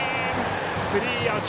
スリーアウト。